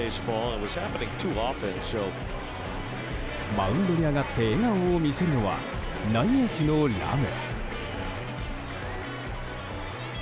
マウンドに上がって笑顔を見せるのは内野手のラム。